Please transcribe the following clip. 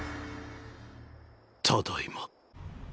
ただいま。